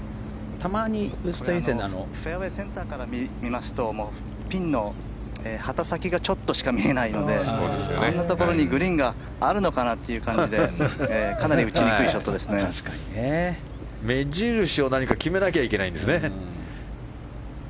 フェアウェーセンターから見ますとピンの旗先がちょっとしか見えないのであんなところにグリーンがあるのかなという感じで目印を何か決めなきゃいけないんですね。